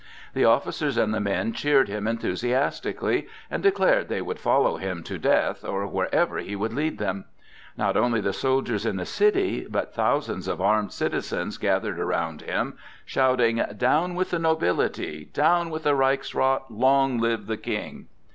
The officers and the men cheered him enthusiastically, and declared they would follow him to death or wherever he would lead them. Not only the soldiers in the city, but thousands of armed citizens gathered around him shouting, "Down with the nobility! Down with the Reichsrath! Long live the King!"